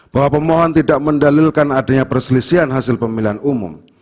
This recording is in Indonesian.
bahwa pemohon tidak mendalilkan adanya perselisihan hasil pemilihan umum